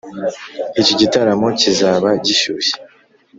iki gitaramo kizaba gishyushye.